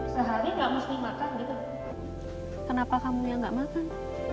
sehari nggak mesti makan gitu kenapa kamu yang nggak makan